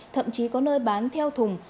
thậm chí có nơi bán theo thùng